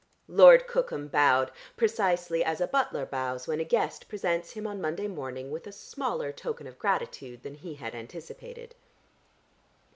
Lord Cookham bowed precisely as a butler bows when a guest presents him on Monday morning with a smaller token of gratitude than he had anticipated.